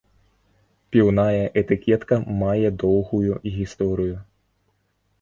Піўная этыкетка мае доўгую гісторыю.